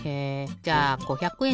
じゃあ５００え